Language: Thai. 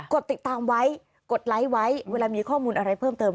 ดติดตามไว้กดไลค์ไว้เวลามีข้อมูลอะไรเพิ่มเติม